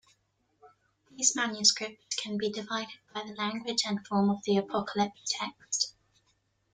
These manuscripts can be divided by the language and form of the Apocalypse text.